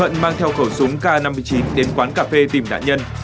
thuận mang theo khẩu súng k năm mươi chín đến quán cà phê tìm nạn nhân